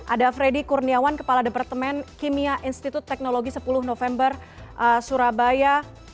ada freddy kurniawan kepala departemen kimia institut teknologi sepuluh november surabaya